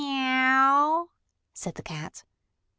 "Meow!" said the cat.